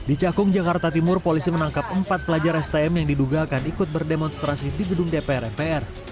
di cakung jakarta timur polisi menangkap empat pelajar stm yang diduga akan ikut berdemonstrasi di gedung dpr mpr